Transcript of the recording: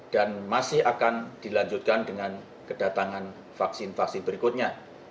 dan masih akan dilanjutkan dengan kedatangan vaksin vaksin berikutnya